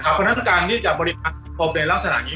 เพราะฉะนั้นการที่จะบริษัทสัมคมในลักษณะนี้